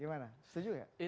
gimana setuju gak